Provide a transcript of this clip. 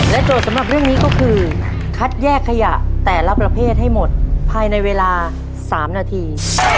โจทย์สำหรับเรื่องนี้ก็คือคัดแยกขยะแต่ละประเภทให้หมดภายในเวลา๓นาที